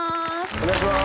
お願いします。